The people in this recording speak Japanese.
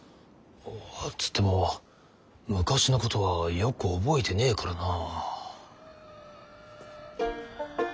つっても昔のことはよく覚えてねえからなあ。